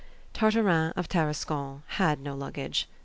Tartarin of Tarascon had no luggage.